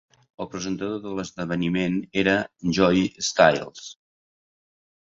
El presentador de l'esdeveniment era Joey Styles.